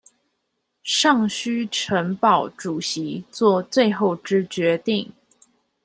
尚須呈報主席做最後之決定